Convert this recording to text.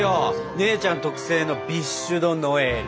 姉ちゃん特製のビッシュ・ド・ノエル。